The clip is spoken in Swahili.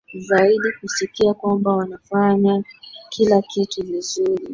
zaidi kusikia kwamba wanafanya kila kitu vizuri